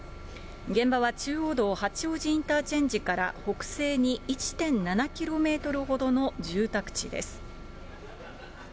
現場は中央道八王子インターチェンジから北西に１．７キロメートルほどの住宅地です。